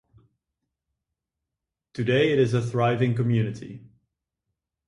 Today it is a thriving community.